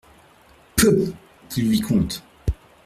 Peuh ! dit le vicomte.